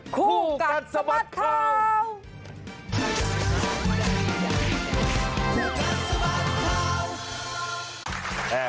คู่กันสมัติข่าว